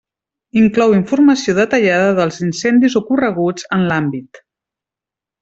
Inclou informació detallada dels incendis ocorreguts en l'àmbit.